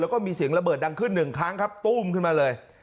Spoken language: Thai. แล้วก็มีเสียงระเบิดดังขึ้นหนึ่งครั้งครับตุ้มขึ้นมาเลย